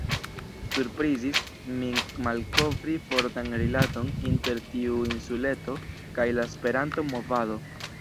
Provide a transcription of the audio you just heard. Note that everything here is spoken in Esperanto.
Surprizis min malkovri fortan rilaton inter tiu insuleto kaj la Esperanto-movado.